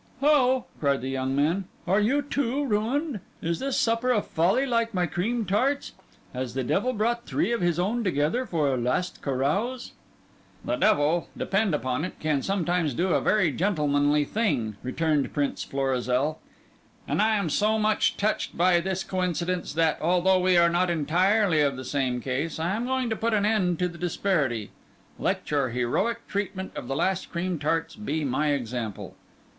"How?" cried the young man. "Are you, too, ruined? Is this supper a folly like my cream tarts? Has the devil brought three of his own together for a last carouse?" "The devil, depend upon it, can sometimes do a very gentlemanly thing," returned Prince Florizel; "and I am so much touched by this coincidence, that, although we are not entirely in the same case, I am going to put an end to the disparity. Let your heroic treatment of the last cream tarts be my example."